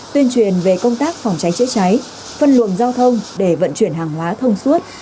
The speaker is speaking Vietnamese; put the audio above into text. tuyên truyền về công tác phòng cháy chữa cháy phân luồng giao thông để vận chuyển hàng hóa thông suốt